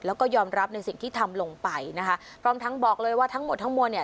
แล้วก็ยอมรับในสิ่งที่ทำลงไปนะคะพร้อมทั้งบอกเลยว่าทั้งหมดทั้งมวลเนี่ย